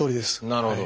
なるほど。